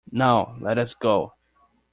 Now let us go.